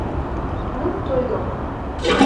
Ну, то і добра.